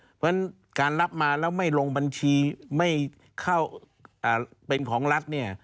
เพราะฉะนั้นการรับมาแล้วไม่ลงบัญชีไม่เข้าเป็นของรัฐเนี่ย